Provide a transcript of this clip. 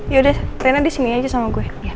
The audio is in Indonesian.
yaudah reina disini aja sama gue